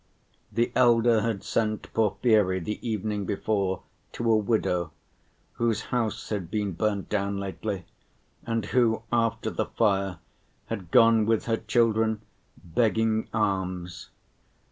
The elder had sent Porfiry the evening before to a widow, whose house had been burnt down lately, and who after the fire had gone with her children begging alms.